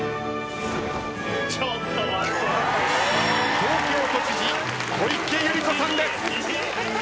東京都知事小池百合子さんです。